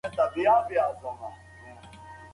تا ولې په دومره پاملرنې سره زما د زده کړو په اړه وپوښتل؟